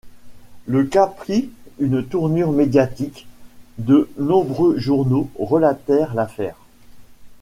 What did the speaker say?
Le cas prit une tournure médiatique, de nombreux journaux relatèrent l'affaire.